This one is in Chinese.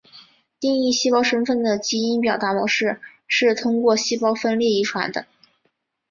定义细胞身份的基因表达模式是通过细胞分裂遗传的。